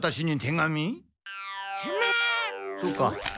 そうか。